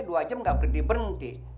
dua jam gak berdibenti